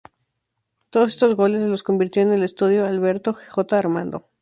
Todos estos goles los convirtió en el Estadio Alberto J. Armando.